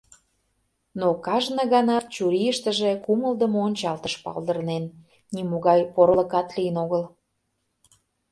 Но кажне ганат чурийыштыже кумылдымо ончалтыш палдырнен, нимогай порылыкат лийын огыл.